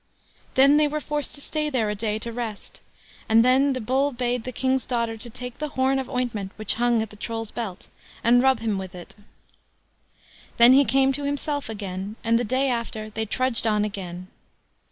Then they were forced to stay there a day to rest, and then the Bull bade the King's daughter to take the horn of ointment which hung at the Troll's belt, and rub him with it. Then he came to himself again, and the day after they trudged on again.